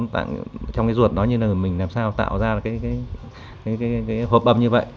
trong cái ruột nó như là mình làm sao tạo ra cái hộp âm như vậy